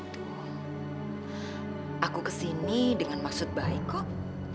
tuh aku kesini dengan maksud baik kok